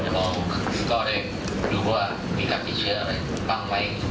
ก็ได้รู้ว่ามีการที่เชื่ออะไรบ้างไหม